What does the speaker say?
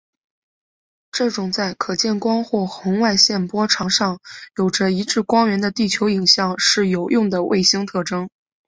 这种在可见光或红外线波长上有着一致光源的地球影像是有用的卫星特征。